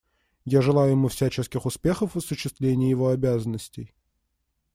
Я желаю ему всяческих успехов в осуществлении его обязанностей.